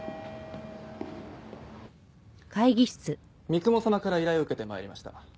三雲様から依頼を受けて参りました。